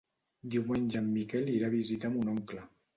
Diumenge en Miquel irà a visitar mon oncle.